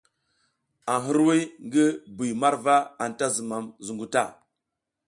A hirwuy ngi bi marwa, anta zumam zungu ta.